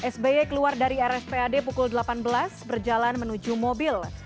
sby keluar dari rspad pukul delapan belas berjalan menuju mobil